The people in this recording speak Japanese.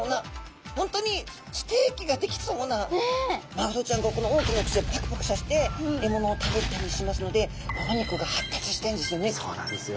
マグロちゃんがこの大きな口をパクパクさせて獲物を食べたりしますのでそうなんですよ。